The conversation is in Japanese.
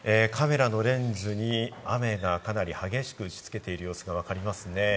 カメラのレンズに雨がかなり激しく、打ち付けている様子がわかります。